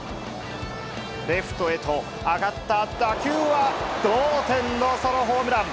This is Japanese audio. レフトへと上がった打球は、同点のソロホームラン。